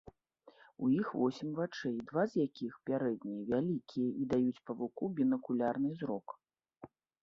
У іх восем вачэй, два з якіх, пярэднія, вялікія і даюць павуку бінакулярны зрок.